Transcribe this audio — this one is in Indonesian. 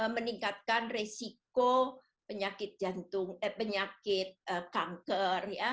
meningkatkan resiko penyakit kanker